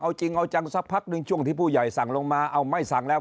เอาจริงเอาจังสักพักหนึ่งช่วงที่ผู้ใหญ่สั่งลงมาเอาไม่สั่งแล้ว